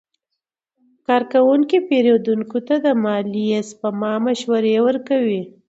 کارکوونکي پیرودونکو ته د مالي سپما مشورې ورکوي.